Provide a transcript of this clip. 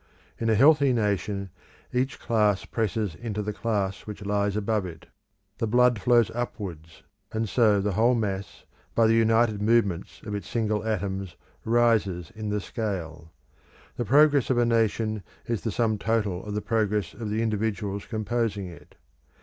In a healthy nation, each class presses into the class which lies above it; the blood flows upwards, and so the whole mass, by the united movements of its single atoms, rises in the scale. The progress of a nation is the sum total of the progress of the individuals composing it.